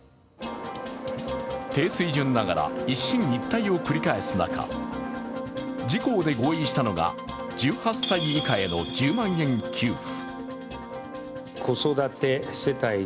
低水準ながら一進一退を繰り返す中、自公で合意したのが１８歳以下への１０万円給付。